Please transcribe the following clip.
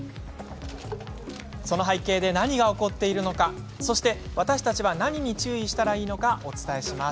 その背景で何が起こっているのかそして私たちは、何に注意したらいいのかお伝えします。